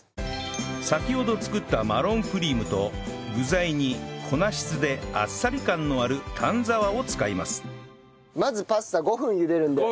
先ほど作ったマロンクリームと具材に粉質であっさり感のある丹沢を使いますまずパスタ５分茹でるんで。